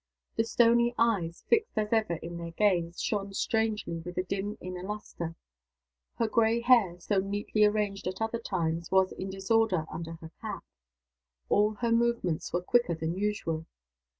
The stony eyes, fixed as ever in their gaze, shone strangely with a dim inner lustre. Her gray hair, so neatly arranged at other times, was in disorder under her cap. All her movements were quicker than usual.